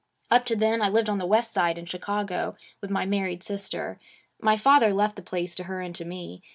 'Up to then, I lived on the West Side, in Chicago, with my married sister. My father left the place to her and to me.